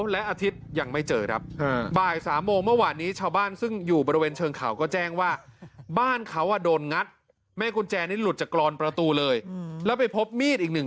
แล้วไปพบมีดอีกหนึ่งด้าม